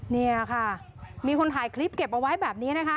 นี่ค่ะมีคนถ่ายคลิปเก็บเอาไว้แบบนี้นะคะ